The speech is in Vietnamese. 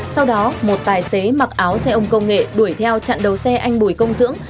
sau đó một tài xế mặc áo xe ôn công nghệ đuổi theo chặn đầu xe anh bùi công dưỡng